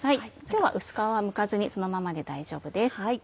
今日は薄皮はむかずにそのままで大丈夫です。